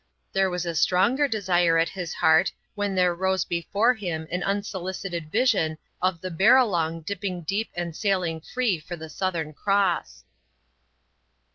There was a stronger desire at his heart when there rose before him an unsolicited vision of the Barralong dipping deep and sailing free for the Southern Cross.